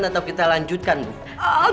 atau kita lanjutkan bu